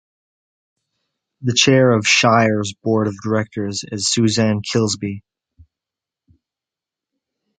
The Chair of Shire's Board of Directors is Susan Kilsby.